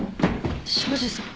庄司さん。